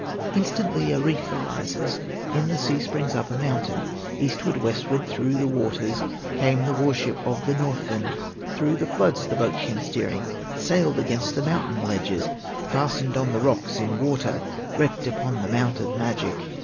Instantly a reef arises, In the sea springs up a mountain, Eastward, westward, through the waters. Came the war ship of the Northland, Through the floods the boat came steering, Sailed against the mountain ledges, Fastened on the rocks in water, Wrecked upon the Mount of Magic.